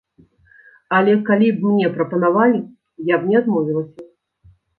Але калі б мне прапанавалі, я б не адмовілася.